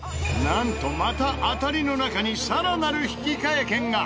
なんとまた当たりの中にさらなる引換券が！